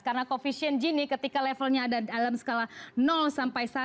karena koefisien gini ketika levelnya ada dalam skala sampai satu